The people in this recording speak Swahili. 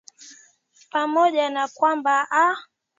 pamoja na kwamba aa